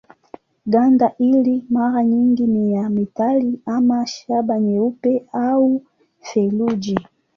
Ganda hili mara nyingi ni ya metali ama shaba nyeupe au feleji.